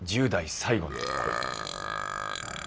１０代最後の恋」。